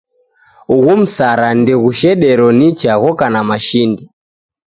Ughu msara ndighushedero nicha ghoka na mashindi.